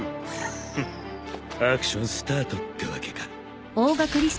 フッアクションスタートってわけか。